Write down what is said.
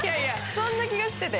そんな気がしてて。